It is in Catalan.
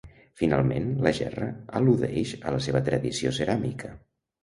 Finalment, la gerra al·ludeix a la seva tradició ceràmica.